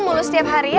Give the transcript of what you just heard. mulu setiap hari ya